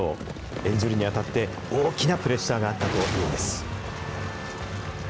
演じるにあたって、大きなプレッシャーがあったというんです。